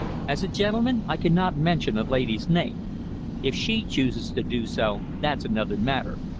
As a gentleman, I cannot mention a lady's name. If she chooses to do so that's another matter.